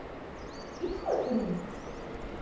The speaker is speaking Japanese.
いつ恋するの？